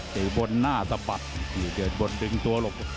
เตะบนหน้าสะบัดอยู่เดินบนดึงตัวหลบ